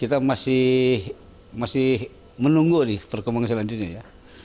kita masih menunggu perkembangan selanjutnya